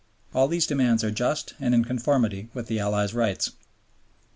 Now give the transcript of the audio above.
All these demands are just and in conformity with the Allies' rights.